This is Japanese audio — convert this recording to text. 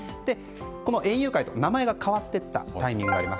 この園遊会と名前が変わっていったタイミングがあります。